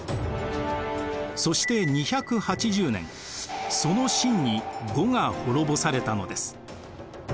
そして２８０年その晋に呉が滅ぼされたのです。